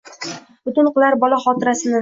Butun qilar bola xotirasini.